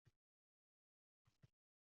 Sovg‘alar savdosini tashkillashtirish muhim.